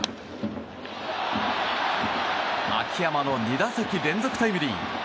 秋山の２打席連続タイムリー。